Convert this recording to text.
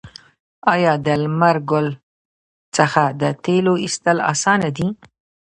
آیا د لمر ګل څخه د تیلو ایستل اسانه دي؟